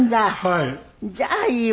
じゃあいいわね。